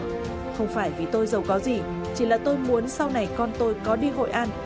không phải vì tôi giàu có gì chỉ là tôi muốn sau này con tôi có đi hội an